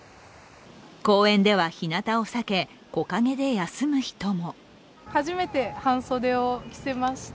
公園ではひなたを避け木陰で休む人も。